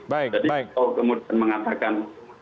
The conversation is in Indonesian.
jadi itu kemudian mengatakan